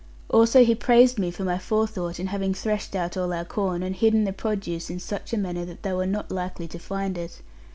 Also he praised me for my forethought in having threshed out all our corn, and hidden the produce in such a manner that they were not likely to find it.